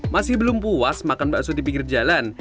masih belum puas makan bakso di pinggir jalan